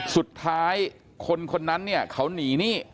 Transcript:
สุดท้ายคนนั้นเขาหนีหนี้